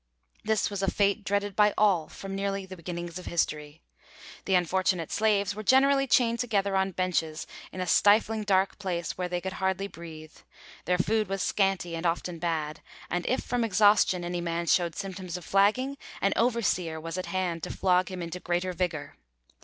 This was a fate dreaded by all from nearly the beginnings of history. The unfortunate slaves were generally chained together on benches in a stifling, dark place, where they could hardly breathe; their food was scanty and often bad, and if from exhaustion any man showed symptoms of flagging, an overseer was at hand to flog him into greater vigour.